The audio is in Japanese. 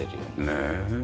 ねえ。